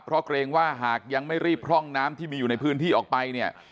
เพราะเกรงว่าหากยังไม่รีบพร่องน้ำที่มีอยู่ในพื้นที่ออกไปเนี่ย